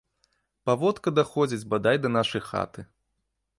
Паводка даходзіць бадай да нашай хаты.